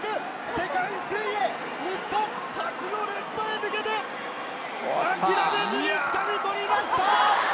世界水泳日本初の連覇へ向けて諦めずにつかみ取りました！